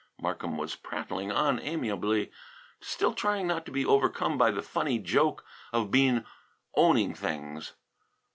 Markham was prattling on amiably, still trying not to be overcome by the funny joke of Bean owning things.